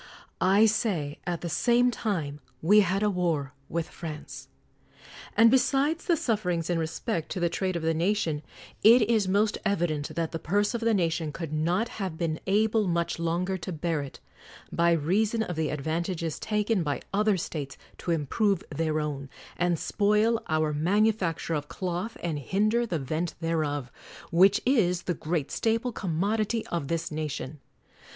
I say, at the same time we had a war with France. And besides the sufferings in respect to the trade of the nation, it is most evident that the purse of the nation could not have been able much longer to bear it, by reason of the advantages taken by other states to im prove their own, and spoil our manufacture of cloth, and hinder the vent thereof ; which is the great staple commodity of this nation.